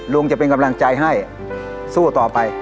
จะเป็นกำลังใจให้สู้ต่อไป